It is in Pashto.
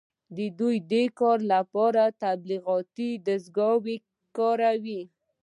دوی د دې کار لپاره تبلیغاتي دستګاوې کاروي